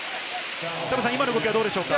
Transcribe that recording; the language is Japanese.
今の動きはどうでしょうか？